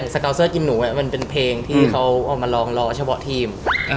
สเกาเซอร์กินหนูมันเป็นเพลงที่เขาเอามาลองรอเฉพาะทีม